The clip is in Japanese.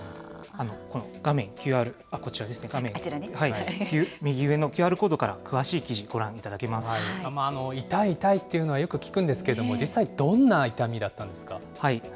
この画面、こちらですね、右上のＱＲコードから詳しい記事、痛い痛いというのはよく聞くんですけども、実際どんな痛みだったんですか？